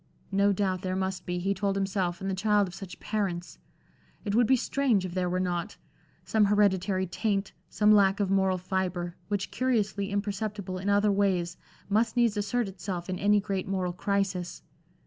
No doubt there must be, he told himself, in the child of such parents, it would be strange if there were not some hereditary taint, some lack of moral fibre, which curiously imperceptible in other ways, must needs assert itself in any great moral crisis.